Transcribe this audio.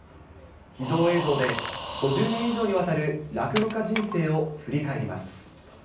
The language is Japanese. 秘蔵映像で５０年以上にわたる、落語家人生を振り返ります。